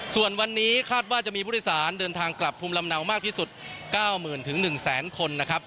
ส่วนวันนี้คาดว่าจะมีผู้โดยสารเดินทางกลับภูมิลำเนามากที่สุด๙๐๐๐๑๐๐คนนะครับ